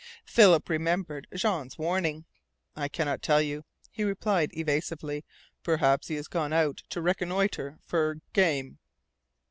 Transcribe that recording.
Philip remembered Jean's warning. "I cannot tell you," he replied evasively. "Perhaps he has gone out to reconnoitre for game."